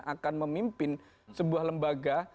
akan memimpin sebuah lembaga